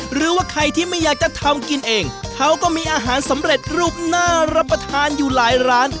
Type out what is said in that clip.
หรือว่าใครที่ไม่อยากจะทำกินเองเขาก็มีอาหารสำเร็จรูปน่ารับประทานอยู่หลายร้าน